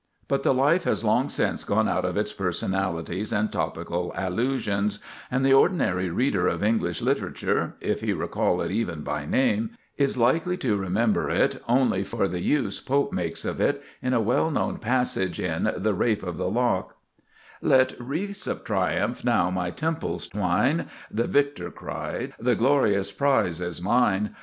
But the life has long since gone out of its personalities and topical allusions, and the ordinary reader of English literature, if he recall it even by name, is likely to remember it only for the use Pope makes of it in a well known passage in "The Rape of the Lock":— "Let wreaths of triumph now my temples twine! (The victor cried); the glorious prize is mine!